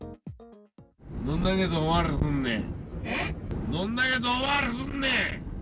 どんだけ遠回りすんねん。